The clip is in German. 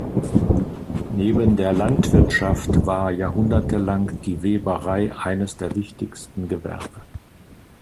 Neben der Landwirtschaft war jahrhundertelang die Weberei eines der wichtigsten Gewerbe.